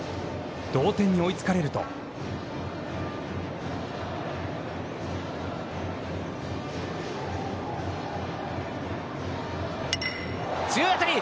同点に追いつかれると強い当たり。